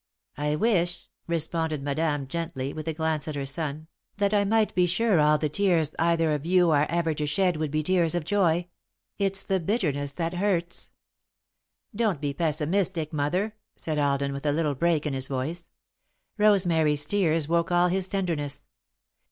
"I wish," responded Madame, gently, with a glance at her son, "that I might be sure all the tears either of you are ever to shed would be tears of joy. It's the bitterness that hurts." [Sidenote: Tears] "Don't be pessimistic, Mother," said Alden, with a little break in his voice. Rosemary's tears woke all his tenderness.